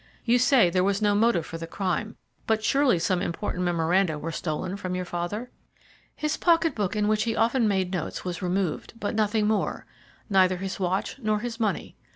You say there was no motive for the crime, but surely some important memoranda were stolen from your father?" "His pocket book in which he often made notes was removed, but nothing more, neither his watch nor his money.